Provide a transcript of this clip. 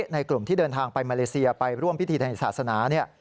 ในกลุ่มที่เดินทางไปมาเลเซียไปร่วมพิธีทางศาสนา